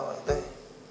saya emang enggak teh